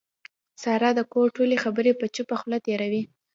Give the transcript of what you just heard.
ساره د کور ټولې خبرې په چوپه خوله تېروي.